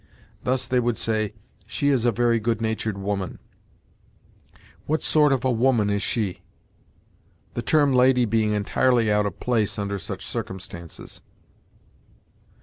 Thus they would say, 'She is a very good natured woman,' 'What sort of a woman is she?' the term lady being entirely out of place under such circumstances.